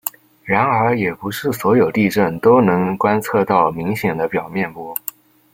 然而也不是所有地震都能观测到明显的表面波。